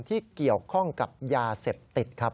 ที่เกี่ยวข้องกับยาเสพติดครับ